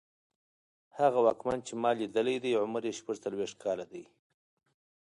هغه واکمن چې ما لیدلی دی عمر یې شپږڅلوېښت کاله دی.